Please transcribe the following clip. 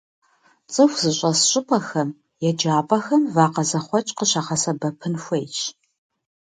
ЦӀыху зыщӀэс щӀыпӀэхэм, еджапӀэхэм вакъэ зэхъуэкӀ къыщыгъэсэбэпын хуейщ.